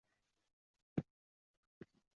Har zamon to’xtab-to’xtab